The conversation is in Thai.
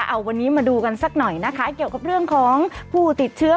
เอาวันนี้มาดูกันสักหน่อยนะคะเกี่ยวกับเรื่องของผู้ติดเชื้อ